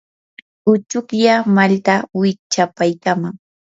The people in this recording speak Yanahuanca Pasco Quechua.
uchuklla malta wichyapaykaaman.